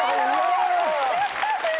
やった！